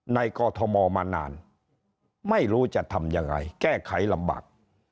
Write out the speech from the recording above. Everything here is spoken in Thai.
กอทมมานานไม่รู้จะทำยังไงแก้ไขลำบาก